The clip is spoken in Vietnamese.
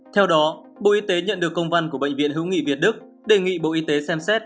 theo đó bộ y tế nhận được công văn của bệnh viện hữu nghị việt đức đề nghị bộ y tế xem xét